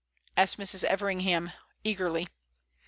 asked Mrs. Everingham, eagerly.